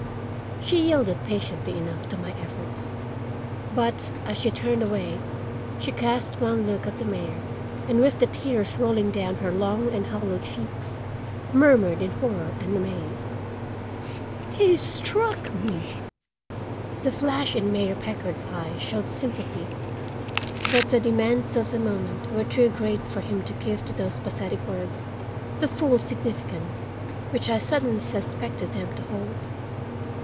She yielded patiently enough to my efforts, but, as she turned away, she cast one look at the mayor and with the tears rolling down her long and hollow cheeks murmured in horror and amaze: "He struck me!" The flash in Mayor Packard's eye showed sympathy, but the demands of the moment were too great for him to give to those pathetic words the full significance which I suddenly suspected them to hold.